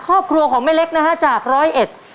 ครอบครัวของแม่เล็กนะฮะจากร้อยเอ็ด